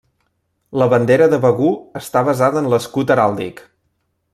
La bandera de Begur està basada en l'escut heràldic.